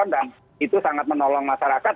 dan itu sangat menolong masyarakat